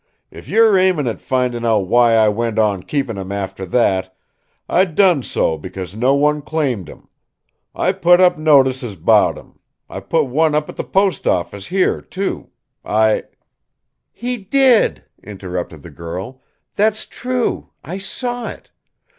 If you're aimin' at findin' out why I went on keepin' him after that, I done so because no one claimed him. I put up notices 'bout him. I put one up at the post office here, too. I " "He did!" interrupted the girl. "That's true! I saw it.